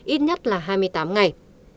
ít nhất là hai mươi tám ngày